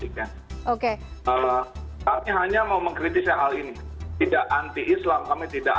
itu bisa diangkat